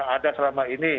ada selama ini